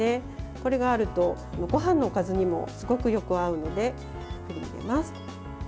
これがあるとごはんのおかずにもすごくよく合うので振り入れます。